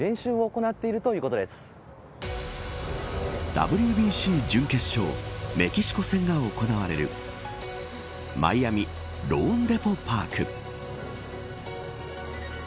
ＷＢＣ準決勝メキシコ戦が行われるマイアミローンデポ・パーク。